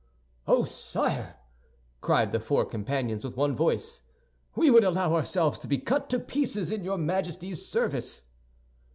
"Oh, sire!" cried the four companions, with one voice, "we would allow ourselves to be cut to pieces in your Majesty's service."